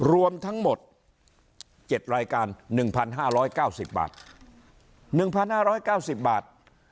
รวมทั้งหมดเจ็ดรายการหนึ่งพันห้าร้อยเก้าสิบบาทหนึ่งพันห้าร้อยเก้าสิบบาท